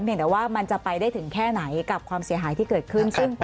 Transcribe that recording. แต่ว่ามันจะไปได้ถึงแค่ไหนกับความเสียหายที่เกิดขึ้น